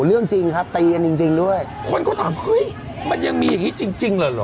เรื่องจริงครับตีกันจริงจริงด้วยคนก็ถามเฮ้ยมันยังมีอย่างงี้จริงจริงเหรอเหรอ